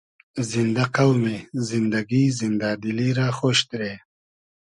زیندۂ قۆمی ، زیندئگی ، زیندۂ دیلی رۂ خۉش دیرې